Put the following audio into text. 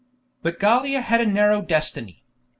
But Gallia had a narrow destiny.